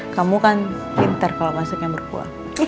kamu kan pinter kalo masak yang berkuah